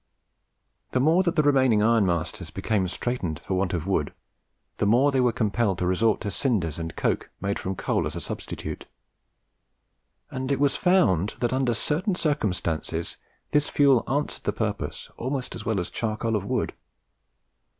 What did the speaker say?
The more that the remaining ironmasters became straitened for want of wood, the more they were compelled to resort to cinders and coke made from coal as a substitute. And it was found that under certain circumstances this fuel answered the purpose almost as well as charcoal of wood.